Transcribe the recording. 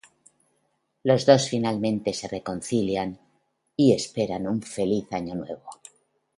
Los dos finalmente se reconcilian y esperan un feliz año nuevo.